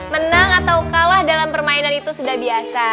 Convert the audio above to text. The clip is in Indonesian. menang atau kalah dalam permainan itu sudah biasa